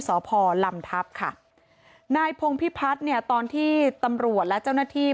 สพลำทัพค่ะนายพงพิพัฒน์เนี่ยตอนที่ตำรวจและเจ้าหน้าที่